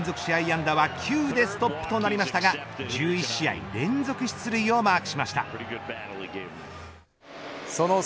安打は９でストップとなりましたが１１試合連続出塁をマークしました。